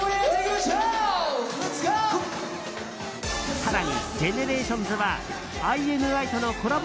更にＧＥＮＥＲＡＴＩＯＮＳはＩＮＩとのコラボ